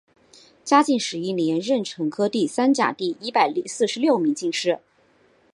嘉靖十一年壬辰科第三甲第一百四十六名进士。